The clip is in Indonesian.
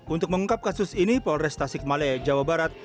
untuk mengungkap kasus ini polres tasik malaya jawa barat